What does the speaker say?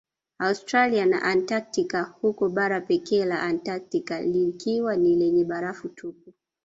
Austiralia na Antaktika huku bara pekee la Antaktika likiwa ni lenye barafu tupu